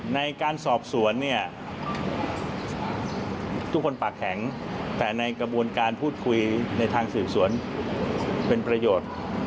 ในการสอบสวนเนี่ยทุกคนปากแข็งแต่ในกระบวนการพูดคุยในทางสืบสวนเป็นประโยชน์